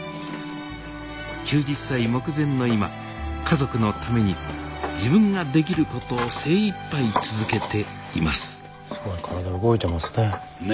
９０歳目前の今家族のために自分ができることを精いっぱい続けていますすごい体動いてますね。